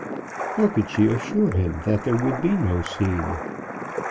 How could she assure him that there would be no scene?